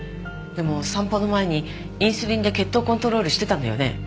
でも散歩の前にインスリンで血糖コントロールしてたのよね？